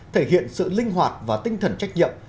thể hiện sự linh hoạt và tinh thần trách nhiệm